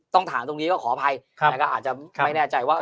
ต้องถามตรงนี้ก็ขออภัยนะครับอาจจะไม่แน่ใจว่า